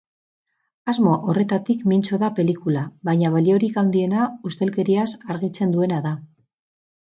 Asmo horretatik mintzo da pelikula, baina baliorik handiena ustelkeriaz argitzen duena da.